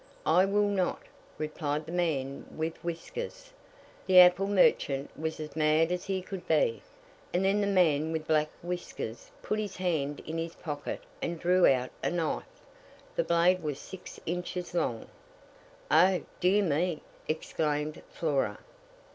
'I will not,' replied the man with whiskers. The apple merchant was as mad as he could be; and then the man with black whiskers put his hand in his pocket and drew out a knife. The blade was six inches long." "O, dear me!" exclaimed Flora.